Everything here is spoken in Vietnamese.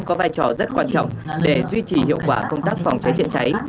có vai trò rất quan trọng để duy trì hiệu quả công tác phòng cháy chữa cháy